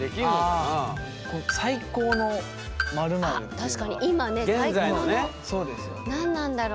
あっ確かに今ね最高の。何なんだろう？